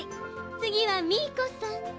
つぎはミーコさん。